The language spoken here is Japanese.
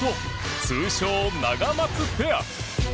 通称ナガマツペア。